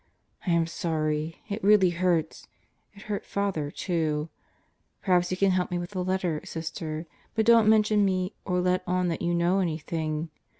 I am sorry. It really hurts. It hurt Father, too. ... Perhaps you can help with a letter, Sister. But don't mention me or let on that you know anything.